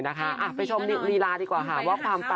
นะคะเพราะว่าอะไรรู้ไหมคะ